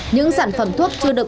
những sản phẩm thuốc chưa được